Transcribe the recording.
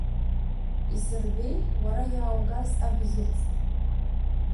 Исырбеи, уара, иааугаз абӷьыц!